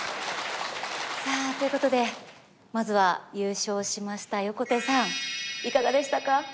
さあということでまずは優勝しました横手さんいかがでしたか？